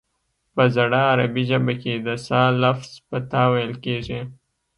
په زړه عربي ژبه کې د ث لفظ په ت ویل کیږي